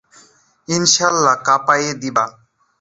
ইনশাআল্লাহ কাপায়ে দিবা।